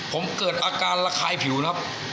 ผมเกิดอาการระคายผิวนะครับ